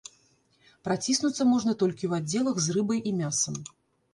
Праціснуцца можна толькі ў аддзелах з рыбай і мясам.